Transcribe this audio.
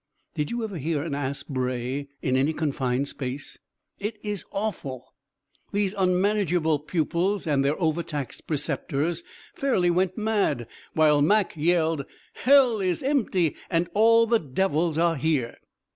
Did you ever hear an ass bray in any confined space? It is awful! These unmanageable pupils and their overtaxed preceptors fairly went mad, while Mac yelled, "Hell is empty, and all the devils are here!"